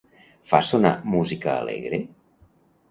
Fa sonar música alegre?